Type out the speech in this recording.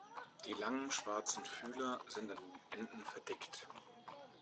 Die langen schwarzen Fühler sind an den Enden verdickt.